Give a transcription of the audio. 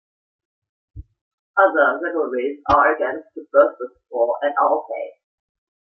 Other rivalries are against Bursaspor and Altay.